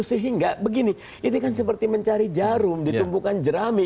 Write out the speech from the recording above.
sehingga begini ini kan seperti mencari jarum ditumpukan jerami